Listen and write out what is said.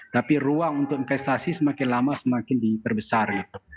tapi ruang untuk investasi semakin lama semakin diperbesar gitu